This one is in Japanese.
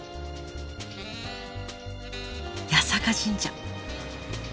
八坂神社